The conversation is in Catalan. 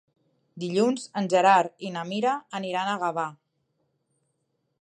Dilluns en Gerard i na Mira aniran a Gavà.